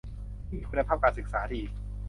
ที่มีคุณภาพการศึกษาดี